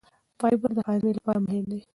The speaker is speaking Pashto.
فایبر د هاضمې لپاره مهم دی.